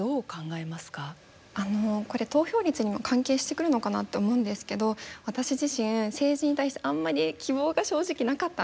これ投票率にも関係してくるのかなって思うんですけど私自身政治に対してあんまり希望が正直なかったんです。